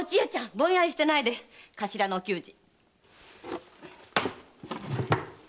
ぼんやりしてないで頭のお給仕！